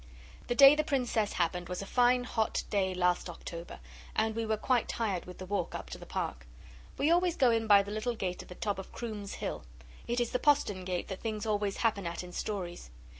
The day the Princess happened was a fine, hot day, last October, and we were quite tired with the walk up to the Park. We always go in by the little gate at the top of Croom's Hill. It is the postern gate that things always happen at in stories.